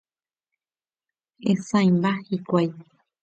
Hesãimba hikuái.